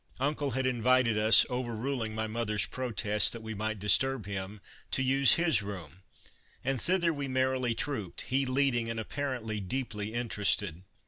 Uncle had invited us, overruling my mother's protest that we might disturb him, to use his room, and thither we merrily trooped, he leading and apparently deeply interested.